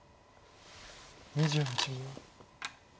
２８秒。